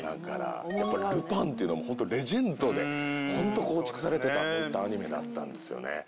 やっぱり『ルパン』っていうのはもう本当レジェンドで本当構築されてたそういったアニメだったんですよね。